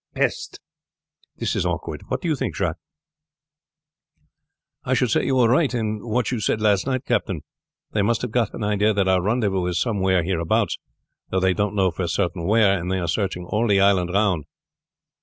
Peste! this is awkward. What do you think, Jacques?" "I should say you were right in what you said last night, captain. They must have got an idea that our rendezvous is somewhere hereabouts, though they don't know for certain where, and they are searching all the island round.